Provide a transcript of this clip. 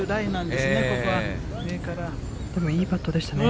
でも、いいパットでしたね。